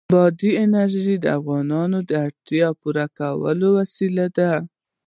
بادي انرژي د افغانانو د اړتیاوو د پوره کولو وسیله ده.